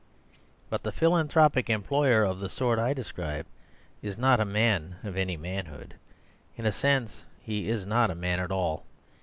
But the philanthropic employer of the sort I describe is not a man of any manhood; in a sense he is not a man at all.